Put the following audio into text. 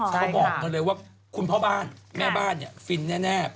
เขาบอกมาเลยว่าคุณพ่อบ้านแม่บ้านเนี่ยฟินแน่